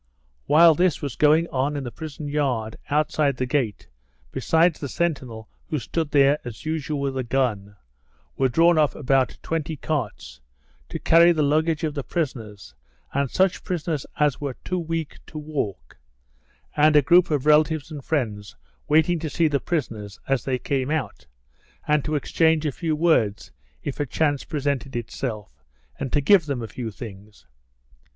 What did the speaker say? While this was going on in the prison yard, outside the gate, besides the sentinel who stood there as usual with a gun, were drawn up about 20 carts, to carry the luggage of the prisoners and such prisoners as were too weak to walk, and a group of relatives and friends waiting to see the prisoners as they came out and to exchange a few words if a chance presented itself and to give them a few things.